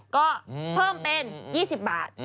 ก็เพิ่มเป็น๒๐บาท